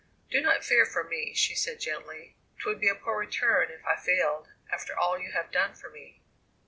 "Do not fear for me," she said gently; "'twould be a poor return if I failed, after all you have done for me."